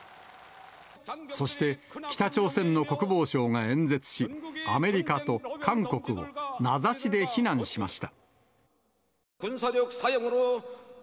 そして、北朝鮮の国防相が演説し、アメリカと韓国を名指しで非難しました。